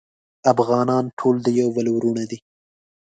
افغانان ټول د یو بل وروڼه دی